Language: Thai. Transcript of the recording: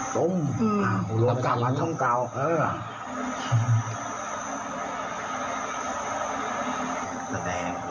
โผดขาโผดแข็งแล้วน่ะ